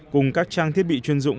cùng các trang thiết bị chuyên dụng